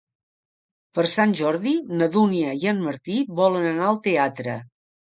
Per Sant Jordi na Dúnia i en Martí volen anar al teatre.